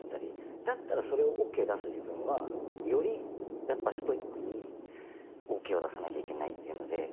だったらそれをＯＫ出す自分はよりストイックにＯＫを出さなきゃいけないっていうので。